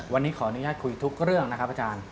วันนี้ขออนุญาตคุยทุกเรื่องนะครับอาจารย์